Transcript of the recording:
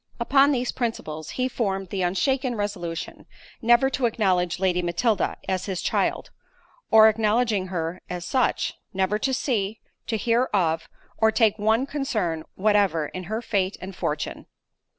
Upon these principles he formed the unshaken resolution, never to acknowledge Lady Matilda as his child—or acknowledging her as such—never to see, to hear of, or take one concern whatever in her fate and fortune.